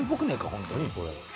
ホントに。